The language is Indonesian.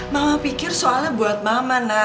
mama pikir soalnya buat mama nak